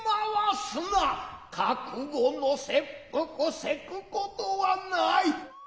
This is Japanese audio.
覚悟の切腹急く事はない」。